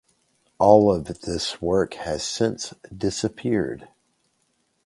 All of this work has since disappeared.